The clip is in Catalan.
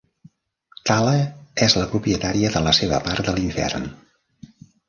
Tala és la propietària de la seva part de l'infern.